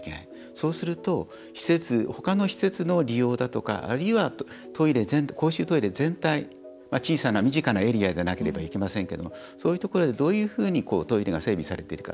そうすると他の施設の利用だとかあるいは公衆トイレ全体小さな身近なエリアでなければいけませんけどもそういうところでどういうふうにトイレが整備されているか。